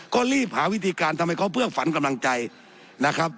ก็รีบหาวิธีการทำให้เขาเพื่อฝันกำลังใจนะครับ